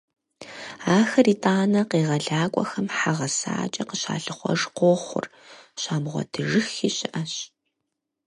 Ахэр итӏанэ къегъэлакӏуэхэм хьэ гъэсакӏэ къыщалъыхъуэж къохъур, щамыгъуэтыжыххи щыӏэщ.